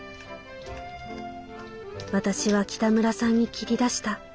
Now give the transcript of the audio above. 「私は北村さんに切り出した。